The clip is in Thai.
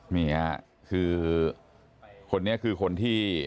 เมียคือคนนี้คือคนที่